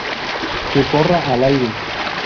Que corra el aire